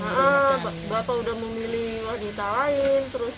saya berasa udah bukan anak kandung sendiri lah